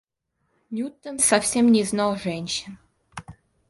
Ньютон совсем не знал женщин.